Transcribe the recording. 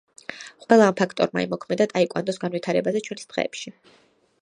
ყველა ამ ფაქტორმა იმოქმედა ტაიკვანდოს განვითარებაზე ჩვენს დღეებში.